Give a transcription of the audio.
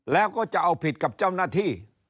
แล้วก็จะเอาผิดกับเจ้าหน้าที่